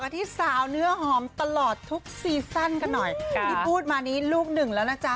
ที่สาวเนื้อหอมตลอดทุกซีซั่นกันหน่อยที่พูดมานี้ลูกหนึ่งแล้วนะจ๊ะ